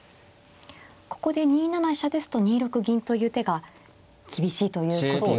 ここで２七飛車ですと２六銀という手が厳しいということで。